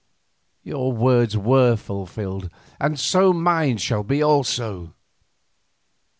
Your words were fulfilled, and so shall mine be also."